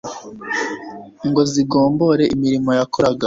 ngo zigombore imirimo yakoraga